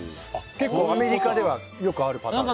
結構アメリカではよくあるパターンです。